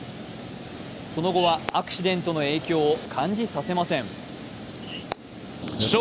その後はアクシデントの影響を感じさせません。